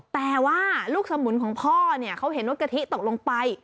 แต่ว่าลูกสมุนของพ่อเนี่ยเขาเห็นว่ากะทิตกลงไป